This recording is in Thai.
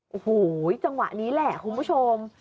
โอ้โหจังหวะนี้แหละคุณผู้ชม